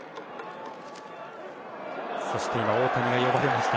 そして今、大谷が呼ばれました。